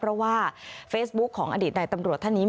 เพราะว่าเฟซบุ๊คของอดีตในตำรวจท่านนี้